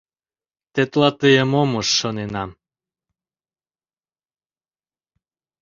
— Тетла тыйым ом уж, шоненам...